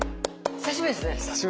久しぶりです。